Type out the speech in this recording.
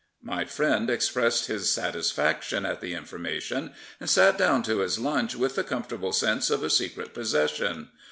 My friend expressed his satisfaction at the informa tion, and sat down to his lunch with the comfortable sense of a secret possession.